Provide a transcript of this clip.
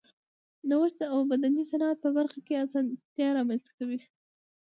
نوښت د اوبدنې صنعت په برخه کې اسانتیا رامنځته کړه.